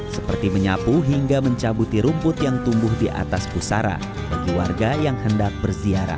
seperti menyapu hingga mencabuti rumput yang tumbuh di atas pusara bagi warga yang hendak berziarah